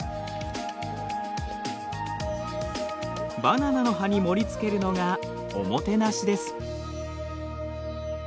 バナナの葉に盛りつけるのがおもてなしです。